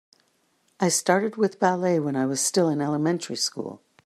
I started with ballet when I was still in elementary school.